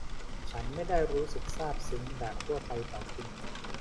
ฉันไม่ได้รู้สึกซาบซึ้งแบบทั่วไปต่อคุณ